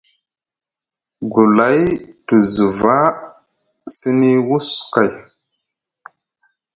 Gulay te zuva sini wus kay.